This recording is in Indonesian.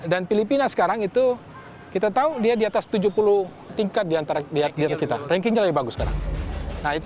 dan filipina sekarang itu kita tahu dia di atas tujuh puluh tingkat di antara kita rankingnya lebih bagus sekarang